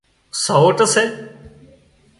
سئوٽ سي